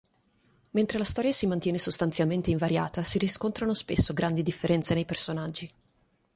Mentre la storia si mantiene sostanzialmente invariata, si riscontrano spesso grandi differenze nei personaggi.